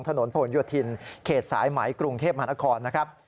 ถนนผลโยธินเขตสายไหมกรุงเทพมหานครนะครับ